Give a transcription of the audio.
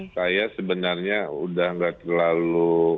saya sebenarnya sudah tidak terlalu